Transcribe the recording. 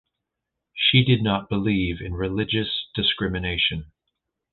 She did not believe in religious discrimination.